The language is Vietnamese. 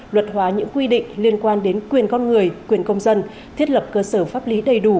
luật hóa những quy định liên quan đến quyền con người quyền công dân thiết lập cơ sở pháp lý đầy đủ